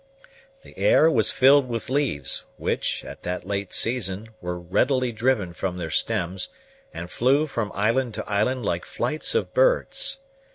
The air was filled with leaves, which, at that late season, were readily driven from their stems, and flew from island to island like flights of birds.